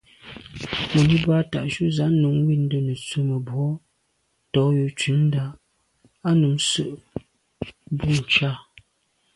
Mùní bə́ á tá'’jú zǎ nunm wîndə́ nə̀ tswə́ mə̀bró tɔ̌ yù tǔndá kā á nun sə̂' bû ncà.